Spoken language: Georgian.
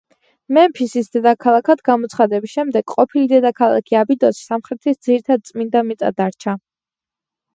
მემფისის დედაქალაქად გამოცხადების შემდეგ ყოფილი დედაქალაქი აბიდოსი სამხრეთის ძირითად წმინდა მიწად დარჩა.